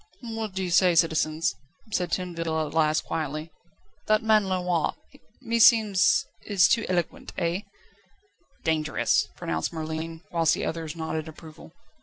"What say you, citizens?" said Tinville at last quietly. "That man Lenoir, meseems, is too eloquent eh?" "Dangerous," pronounced Merlin, whilst the others nodded approval.